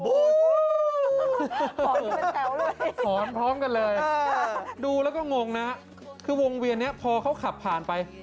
หอนกันเป็นแถวเลยดูแล้วก็งงนะคือวงเวียนนี้พอเขาขับผ่านไป